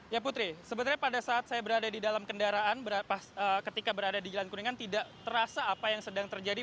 ya putri sebenarnya pada saat saya berada di dalam kendaraan ketika berada di jalan kuningan tidak terasa apa yang sedang terjadi